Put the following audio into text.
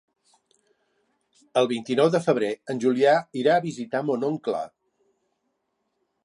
El vint-i-nou de febrer en Julià irà a visitar mon oncle.